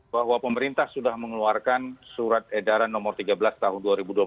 bahwa pemerintah sudah mengeluarkan surat edaran nomor tiga belas tahun dua ribu dua puluh